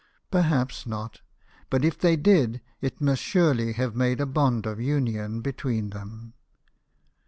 Perhaps not ; but if they did, it must surely have made a bond of union between them.